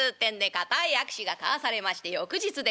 固い握手が交わされまして翌日でございます。